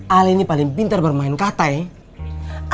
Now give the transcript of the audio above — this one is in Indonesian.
ali ini paling pintar bermain kata ya